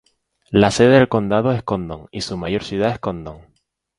La sede del condado es Condon, y su mayor ciudad es Condon.